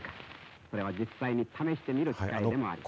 それを実際に試してみる機会でもあります。